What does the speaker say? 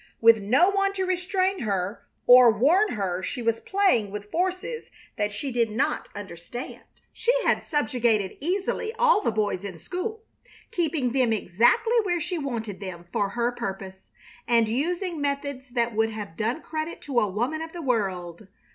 With no one to restrain her or warn her she was playing with forces that she did not understand. She had subjugated easily all the boys in school, keeping them exactly where she wanted them for her purpose, and using methods that would have done credit to a woman of the world.